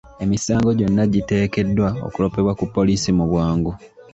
Emisango gyonna giteekeddwa okuloopebwa ku poliisi mu bwangu.